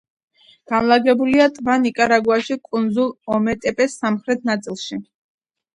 განლაგებულია ტბა ნიკარაგუაში, კუნძულ ომეტეპეს სამხრეთ ნაწილში.